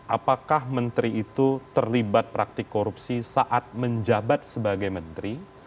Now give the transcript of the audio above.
apakah menteri itu terlibat praktik korupsi saat menjabat sebagai menteri